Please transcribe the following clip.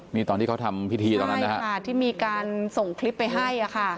มีตอนที่เขาทำพิธีตอนนั้นใช่ค่ะที่มีการส่งคลิปไปให้